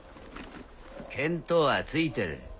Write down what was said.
見当はついてる。